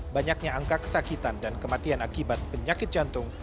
banyaknya angka kesakitan dan kematian akibat penyakit jantung